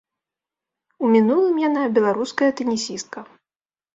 У мінулым яна беларуская тэнісістка.